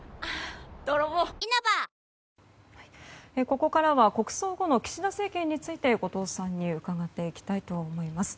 ここからは国葬後の岸田政権について後藤さんに伺っていきたいと思います。